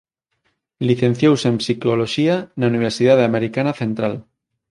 Licenciouse en psicoloxía na Universidade Americana Central.